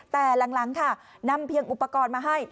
แต่หลังค่ะนำเพียงอุปกรณ์มาให้